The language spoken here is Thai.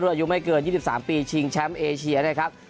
อายุไม่เกินยี่สิบสามปีชิงแชมป์เอเชียนะครับ